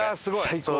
最高。